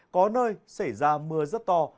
có nơi xảy ra mưa rất to